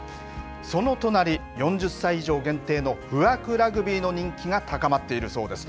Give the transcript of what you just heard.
その隣、４０歳以上限定の不惑ラグビーの人気が高まっているそうです。